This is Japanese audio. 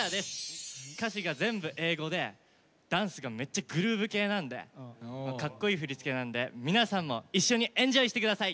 歌詞が全部英語でダンスがめっちゃグルーヴ系なんでかっこいい振り付けなんで皆さんも一緒にエンジョイして下さい！